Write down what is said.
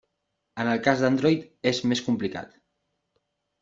En el cas d'Android és més complicat.